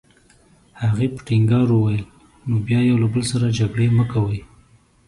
هغې په ټینګار وویل: نو بیا یو له بل سره جګړې مه کوئ.